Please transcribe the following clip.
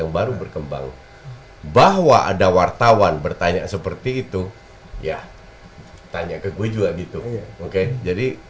yang baru berkembang bahwa ada wartawan bertanya seperti itu ya tanya ke gue juga gitu oke jadi